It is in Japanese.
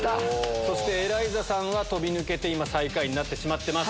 そしてエライザさんは飛び抜けて最下位になってます。